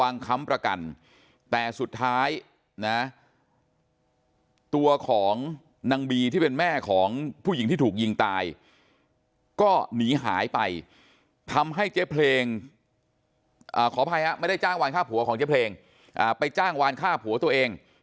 นางบีแม่ของหญิงที่ถูกยิงตายในร้านคาลาโอเกะไปจ้างวานฆ่าผัวตัวเอง